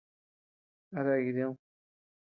¿A dea jidiñʼ.